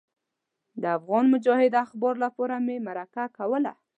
د افغان مجاهد اخبار لپاره مې مرکه کوله.